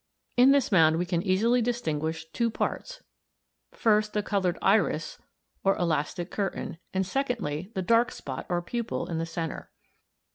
In this mound we can easily distinguish two parts first, the coloured iris or elastic curtain (i, Fig. 10); and secondly, the dark spot or pupil p in the centre.